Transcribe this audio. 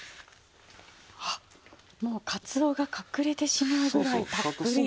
あっもうカツオが隠れてしまうぐらいたっぷり。